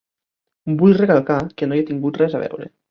Vull recalcar que no hi he tingut res a veure.